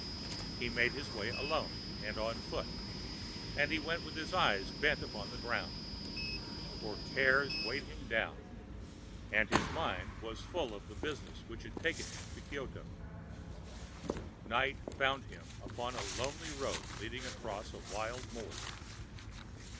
He made his way alone and on foot, and he went with his eyes bent upon the ground, for cares weighed him down and his mind was full of the business which had taken him to Kioto. Night found him upon a lonely road leading across a wild moor.